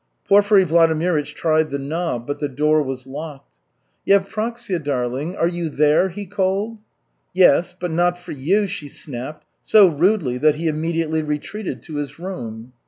Porfiry Vladimirych tried the knob, but the door was locked. "Yevpraksia, darling, are you there?" he called. "Yes, but not for you!" she snapped, so rudely that he immediately retreated to his room.